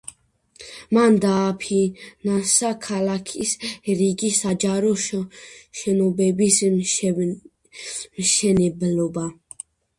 მან დააფინანსა ქალაქის რიგი საჯარო შენობების მშენებლობა.